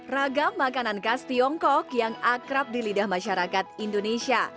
ragam makanan khas tiongkok yang akrab di lidah masyarakat indonesia